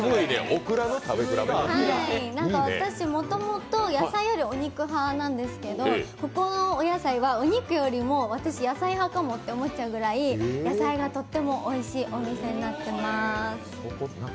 なんか私、もともと野菜よりお肉派なんですけど、ここのお野菜は、お肉より私、野菜派かもと思っちゃうぐらい野菜がとってもおいしいお店になってます。